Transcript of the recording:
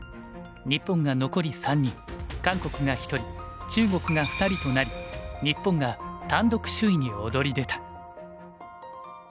日本が残り３人韓国が１人中国が２人となり日本が単独首位に躍り出た。